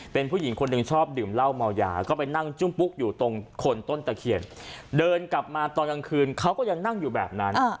เป็นผู้หญิงคนหนึ่งชอบดื่มเหล้าเมายาก็ไปนั่งจุ้มปุ๊กอยู่ตรงคนต้นตะเคียนเดินกลับมาตอนกลางคืนเขาก็ยังนั่งอยู่แบบนั้น